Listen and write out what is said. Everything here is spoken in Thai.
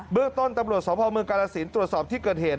เบอร์ต้นตำรวจสอบภาวเมืองกาลสินตรวจสอบที่เกิดเหตุ